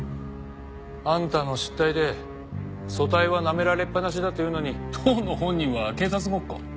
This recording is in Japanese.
あんたの失態で組対はなめられっぱなしだというのに当の本人は警察ごっこ？